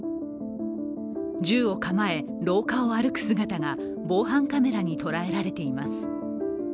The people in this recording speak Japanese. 銃を構え、廊下を歩く姿が防犯カメラに捉えられています。